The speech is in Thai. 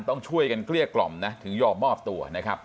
ต้องช่วยกันเกลี้ยกล่อมนะถึงยอมมอบตัวนะครับ